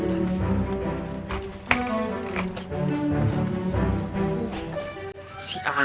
itu dia dandan